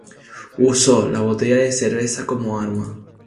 Usó la botella de cerveza como arma.